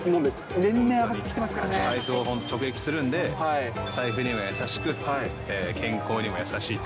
もうね、財布も直撃するんで、財布にも優しく、健康にも優しいと。